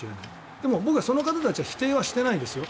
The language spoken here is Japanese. でも僕は、その方たちは否定はしてないですよ。